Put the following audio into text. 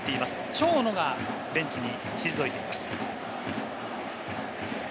長野がベンチに退いています。